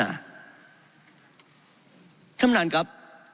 ท่านบนเอกประวัติการกระทรุงกระหลาโหมด้วยนะครับ